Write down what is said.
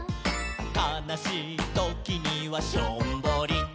「かなしいときにはしょんぼりと」